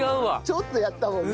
ちょっとやったもんね。